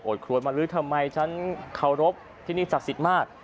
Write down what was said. โอดครั้วมาฮึทำไมฉันเคารพที่นี่ศักดิ์สิทธิ์มาก